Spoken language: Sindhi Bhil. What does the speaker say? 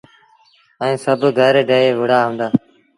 ائيٚݩ سڀ گھر ڊهي وُهرآ هُݩدآ۔